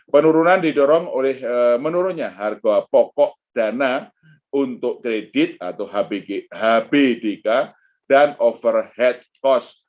penurunan didorong oleh menurunnya harga pokok dana untuk kredit atau hbdk dan overhead cost